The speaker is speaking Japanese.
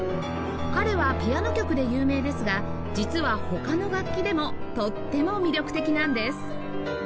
彼はピアノ曲で有名ですが実は他の楽器でもとっても魅力的なんです